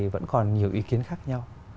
vẫn còn nhiều ý kiến khác nhau